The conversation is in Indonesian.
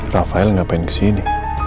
rafael ngapain kesini